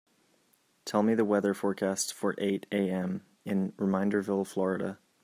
Tell me the weather forecast for eight A.m. in Reminderville, Florida